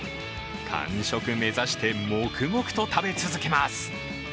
完食目指して黙々と食べ続けます。